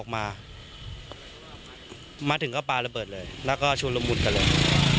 มาถึงก็ปลาระเบิดเลยแล้วก็ชวนละมุดกันเลย